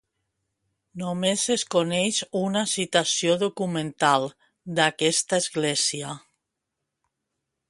Només es coneix una citació documental, d'aquesta església.